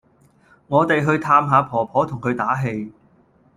我哋去探下婆婆同佢打氣